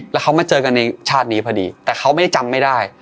แล้วเขามาเจอกันในชาตินี้พอดีแต่เขาไม่ได้จำไม่ได้